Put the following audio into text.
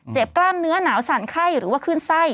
กล้ามเนื้อหนาวสั่นไข้หรือว่าขึ้นไส้